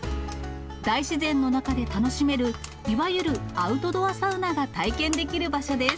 大自然の中で楽しめる、いわゆるアウトドアサウナが体験できる場所です。